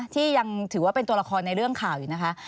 ที่ยังถือว่าเป็นตัวละครในเรื่องข่าวอยู่นะคะ